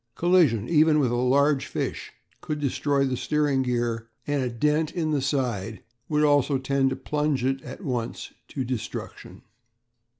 Collision, even with a large fish, could destroy the steering gear, and a dent in the side would also tend to plunge it at once to destruction.